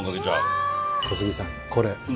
小杉さんこれ。